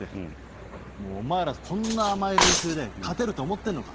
「お前らこんな甘い練習で勝てると思ってるのか！」